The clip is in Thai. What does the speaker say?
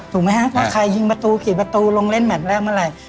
ถูกไหมฮะว่าใครยิงประตูกี่ประตูลงเล่นแมทแรกเมื่อไหร่